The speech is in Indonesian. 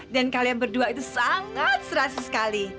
dan kalian berdua itu sangat serasi sekali